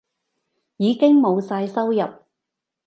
已經冇晒收入